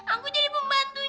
aku jadi pembantunya juliet